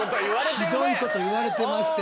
ひどいこと言われてまして。